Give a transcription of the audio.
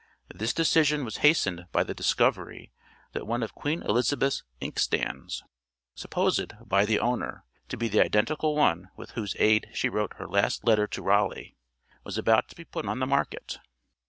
This decision was hastened by the discovery that one of Queen Elizabeth's inkstands supposed (by the owner) to be the identical one with whose aid she wrote her last letter to Raleigh was about to be put on the market.